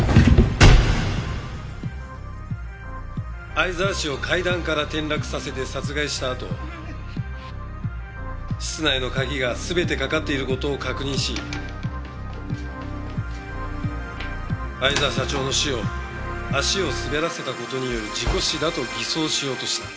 逢沢氏を階段から転落させて殺害したあと室内の鍵が全てかかっている事を確認し逢沢社長の死を足を滑らせた事による事故死だと偽装しようとした。